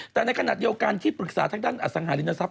แต่ในขณะเดียวกันที่ปรึกษาทางด้านอสังหารินทรัพ